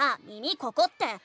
「耳ここ⁉」って。